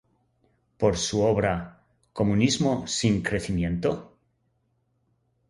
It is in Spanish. Por su obra "¿Comunismo sin crecimiento?